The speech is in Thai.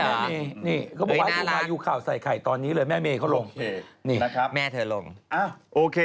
แม่เมกเขาบอกว่าอยู่ขาวใส่ไข่ตอนนี้เลยแม่เมกเขาลงโอเค